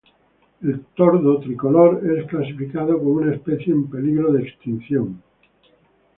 El tordo tricolor es clasificado como una especie en peligro de extinción.